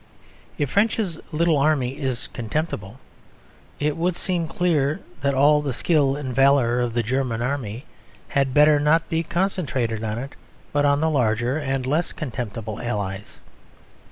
If French's little Army is contemptible, it would seem clear that all the skill and valour of the German Army had better not be concentrated on it, but on the larger and less contemptible allies.